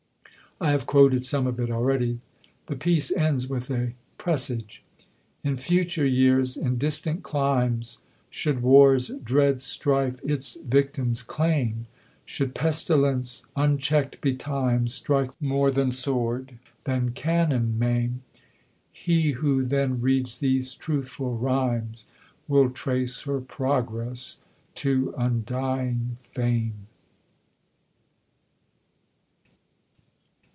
I have quoted some of it already. The piece ends with a presage: In future years, in distant climes, Should war's dread strife its victims claim, Should pestilence, unchecked betimes, Strike more than sword, than cannon maim, He who then reads these truthful rhymes Will trace her progress to undying fame.